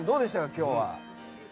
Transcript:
今日は。